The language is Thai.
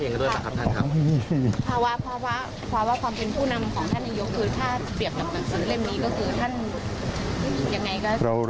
ภาวะความเป็นผู้นำของท่านอายุคือถ้าเปรียบหนังสือเล่มนี้ก็คือท่านยังไง